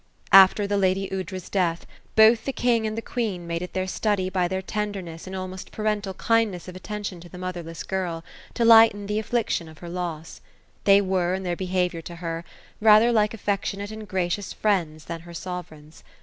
..After the lady Aoudra's death, both the king and the queen made it their study by their tenderness and almost parental kindness of atten tion to the motherless girl, to lighten the afBiction of her loss. They were, in their behaviour to her, rather like affectionate and gracious friends, than her sovereigns.